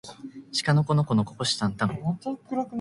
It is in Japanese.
しかのこのこのここしたんたん